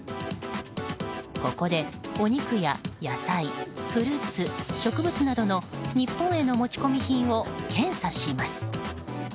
ここでお肉や、野菜、フルーツ植物などの日本への持ち込み品を検査します。